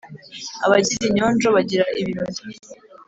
Abagira inyonjo bagira ibirori.